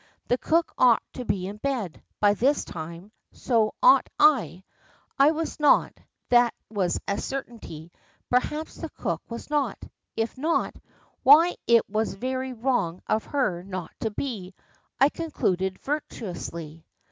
The cook ought to be in bed, by this time so ought I: I was not, that was a certainty, perhaps the cook was not; if not why it was very wrong of her not to be, I concluded virtuously.